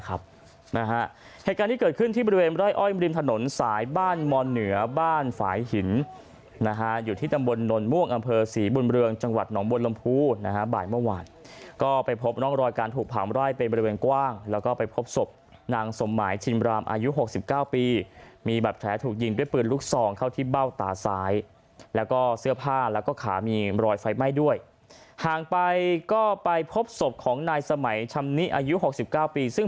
นะครับนะฮะเหตุการณ์ที่เกิดขึ้นที่บริเวณร่อยอ้อยมริมถนนสายบ้านมณ์เหนือบ้านฝ่ายหินนะฮะอยู่ที่ตำบลนนท์ม่วงอำเภอสี่บุญเรืองจังหวัดหนองบนลำพูนะฮะบ่ายเมื่อวานก็ไปพบน้องรอยการถูกผ่ามร่อยเป็นบริเวณกว้างแล้วก็ไปพบศพนางสมหมายชินรามอายุหกสิบเก้าปีมีบัตรแถถูกยินด้วยปืนลุกซองเข